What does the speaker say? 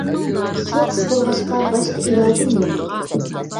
سۇ قىس بولغاچقا باشقا ئىلاجىمۇ يوق ئىدى.